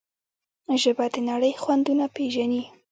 ژبه د نړۍ خوندونه پېژني.